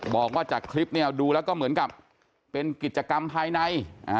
บอกว่าจากคลิปเนี่ยดูแล้วก็เหมือนกับเป็นกิจกรรมภายใน